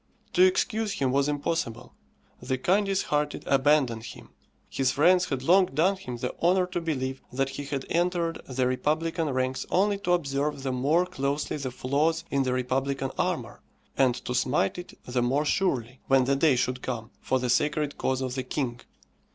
To excuse him was impossible. The kindest hearted abandoned him; his friends had long done him the honour to believe that he had entered the republican ranks only to observe the more closely the flaws in the republican armour, and to smite it the more surely, when the day should come, for the sacred cause of the king.